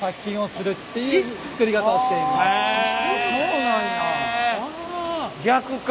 そうなんや。